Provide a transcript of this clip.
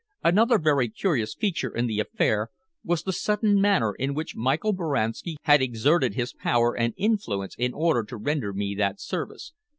Another very curious feature in the affair was the sudden manner in which Michael Boranski had exerted his power and influence in order to render me that service.